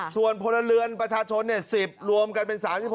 ส่วนพลเรือนประชาชน๑๐รวมกันเป็น๓๖